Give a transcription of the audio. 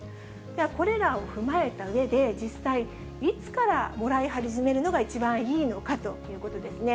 ではこれらを踏まえたうえで実際、いつからもらい始めるのが一番いいのかということですね。